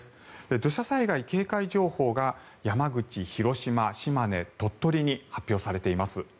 土砂災害警戒情報が山口、広島、島根、鳥取に発表されています。